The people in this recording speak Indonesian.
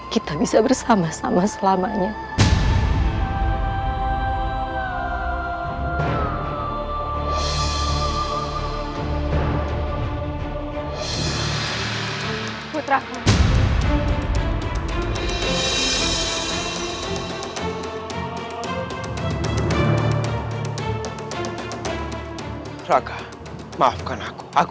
kita bisa bersama sama selamanya